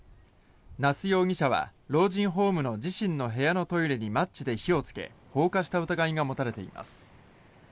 那須容疑者は、老人ホームの自身の部屋のトイレにマッチで火をつけ放火した疑いが持たれています。